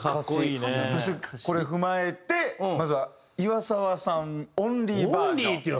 これを踏まえてまずは岩沢さんオンリーバージョン。